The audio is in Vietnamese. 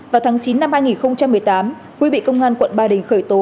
vào tháng chín năm hai nghìn một mươi tám huy bị công an quận ba đình khởi tố